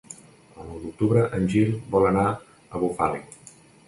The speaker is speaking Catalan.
El nou d'octubre en Gil vol anar a Bufali.